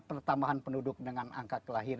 padatnya dengan penghentian bahn tua ini